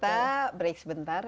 kita beriks bentar